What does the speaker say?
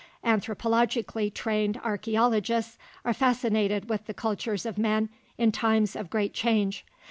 Anthropologically trained archeologists are fascinated with the cultures of men in times of great change.